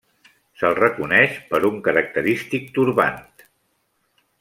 Se'l reconeix per un característic Turbant.